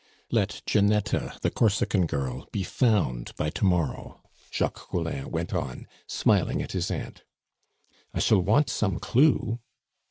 "Let Ginetta, the Corsican girl, be found by to morrow," Jacques Collin went on, smiling at his aunt. "I shall want some clue."